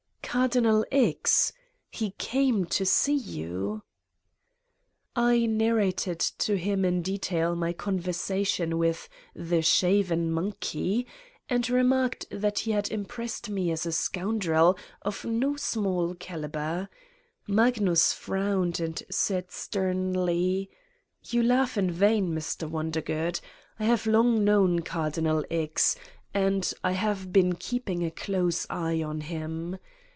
" Cardinal X.? He came to see you?" I narrated to him in detail my conversation with "the shaven monkey," and remarked that he had impressed me as a scoundrel of no small caliber. Magnus frowned and said sternly : "You laugh in vain, Mr. Wondergood. I have long known Cardinal X. and ... I have been keeping a close eye on him.